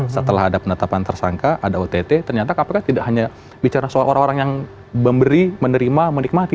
setelah ada penetapan tersangka ada ott ternyata kpk tidak hanya bicara soal orang orang yang memberi menerima menikmati